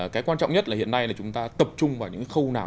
cái quan trọng nhất là hiện nay là chúng ta tập trung vào những khâu nào